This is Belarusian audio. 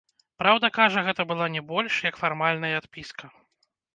Праўда, кажа, гэта была не больш, як фармальная адпіска.